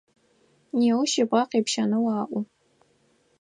Неущ жьыбгъэ къепщэнэу аӏо.